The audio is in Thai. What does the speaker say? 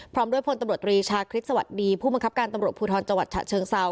พร้อมด้วยพลตำรวจรีชาคริสต์สวัสดีผู้บังคับการตำรวจภูทรจังหวัดฉะเชิงเซา